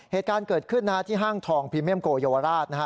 เหตุการณ์เกิดขึ้นนะฮะที่ห้างทองพรีเมียมโกเยาวราชนะฮะ